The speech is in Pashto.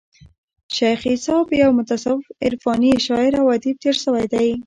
شېخ عیسي یو متصوف عرفاني شاعر او ادیب تیر سوى دئ.